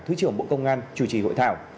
thứ trưởng bộ công an chủ trì hội thảo